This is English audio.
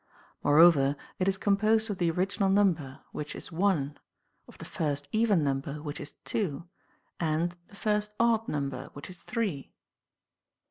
More over it is composed of the original number, which is one, of the first even number, winch is two, and the first odd number, which is three.